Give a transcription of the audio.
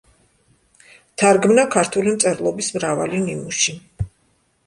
თარგმნა ქართული მწერლობის მრავალი ნიმუში.